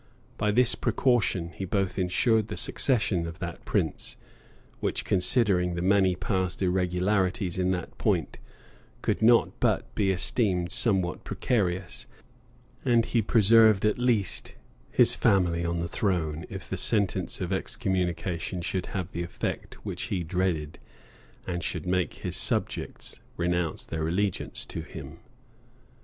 By this precaution, he both insured the succession of that prince, which, considering the many past irregularities in that point, could not but be esteemed somewhat precarious; and he preserved at least his family on the throne, if the sentence of excommunication should have the effect which he dreaded, and should make his subjects renounce their allegiance to him.